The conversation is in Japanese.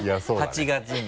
８月に。